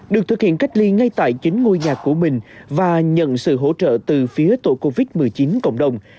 được thực hiện cách ly ngay tại chính ngôi nhà của mình và nhận sự hỗ trợ từ phía tổ covid một mươi chín cộng đồng